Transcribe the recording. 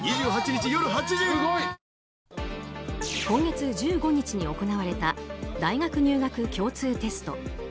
今月１５日に行われた大学入学共通テスト。